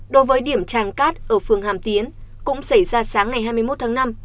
đối với điểm tràn cát ở phương hàm tiến cũng xảy ra sáng ngày hai mươi một tháng năm